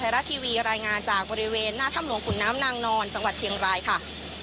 รัฐทีวีรายงานจากบริเวณหน้าถ้ำหลวงขุนน้ำนางนอนจังหวัดเชียงรายค่ะ